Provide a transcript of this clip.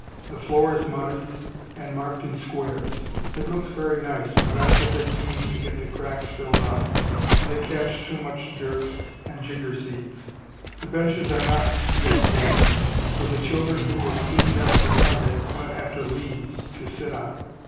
The floor is mudded and marked in squares. It looks very nice, but I shall take pains to get the cracks filled up, for they catch too much dirt and jigger seeds. The benches are not yet made, so the children who were cleaned up for Sunday went after leaves to sit on.